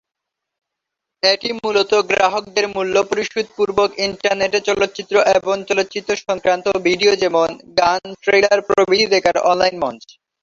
এটি মূলত গ্রাহকদের মূল্য পরিশোধ পূর্বক ইন্টারনেটে চলচ্চিত্র এবং চলচ্চিত্র সংক্রান্ত ভিডিও যেমনঃ গান, ট্রেইলার প্রভৃতি দেখার অনলাইন মঞ্চ।